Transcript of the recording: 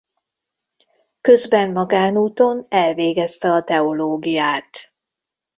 Közben magánúton elvégezte a teológiát.